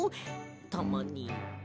たまに。